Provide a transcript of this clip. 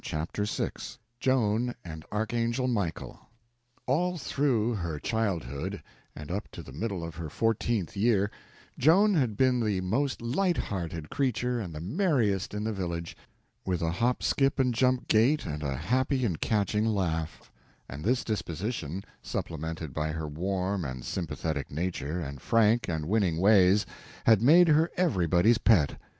Chapter 6 Joan and Archangel Michael ALL THROUGH her childhood and up to the middle of her fourteenth year, Joan had been the most light hearted creature and the merriest in the village, with a hop skip and jump gait and a happy and catching laugh; and this disposition, supplemented by her warm and sympathetic nature and frank and winning ways, had made her everybody's pet.